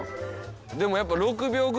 でもやっぱ。